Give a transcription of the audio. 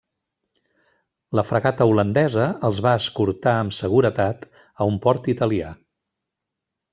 La fragata holandesa els va escortar amb seguretat a un port italià.